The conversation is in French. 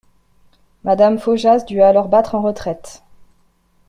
Madame Faujas dut alors battre en retraite.